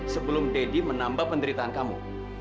sebelum deddy menambah penderitaan kamu